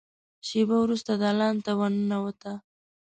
شېبه وروسته دالان ته ور ننوته.